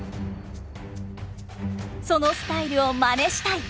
「そのスタイルを真似したい！